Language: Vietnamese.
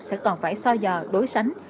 sẽ còn phải so dò đối sánh